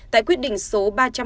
tại quyết định số ba trăm bảy mươi